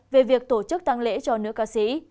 về việc tổ chức tăng lễ cho nữ ca sĩ